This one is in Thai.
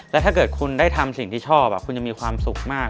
แล้วถ้าเกิดคุณได้ทำสิ่งที่ชอบคุณจะมีความสุขมาก